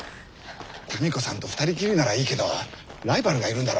民子さんと二人きりならいいけどライバルがいるんだろ？